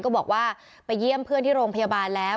ก็บอกว่าไปเยี่ยมเพื่อนที่โรงพยาบาลแล้ว